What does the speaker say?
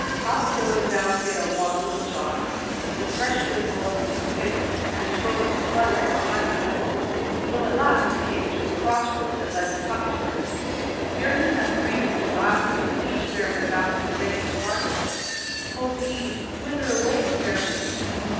Up hill and down dale walked Little John, the fresh wind blowing in his face and his robes fluttering behind him, and so at last he came to a crossroad that led to Tuxford. Here he met three pretty lasses, each bearing a basket of eggs to market. Quoth he, "Whither away, fair maids?"